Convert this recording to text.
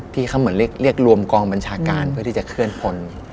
ที่เขาเหมือนเรียกรวมกองบัญชาการเพื่อที่จะเคลื่อนพล